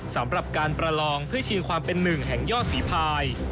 สำหรับการประลองเพื่อชีความเป็นหนึ่งแห่งยอดฝีพาย